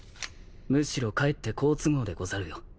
むしろかえって好都合でござるよ。